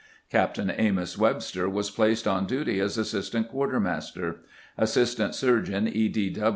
Captain Amos Webster was placed on duty as assistant quartermaster. Assistant Surgeon E.